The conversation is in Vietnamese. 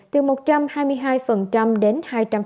từ một trăm hai mươi hai đến hai trăm linh